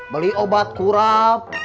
beli obat kurap